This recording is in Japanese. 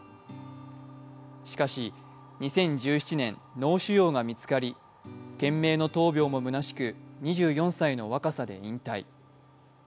しかし２０１７年、脳腫瘍が見つかり懸命の闘病もむなしく２４歳の若さで引退。